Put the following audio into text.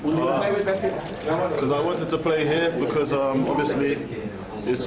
cole menangkan keputusan untuk menangkan keputusan di chelsea